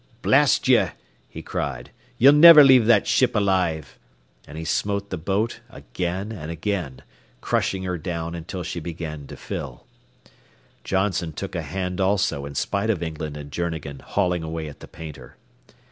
"Blast ye," he cried, "ye'll niver leave that ship alive," and he smote the boat again and again, crushing her down until she began to fill. Johnson took a hand also in spite of England and Journegan hauling away at the painter.